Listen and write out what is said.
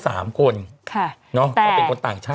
ค่ะแต่ก็เป็นคนต่างชาติ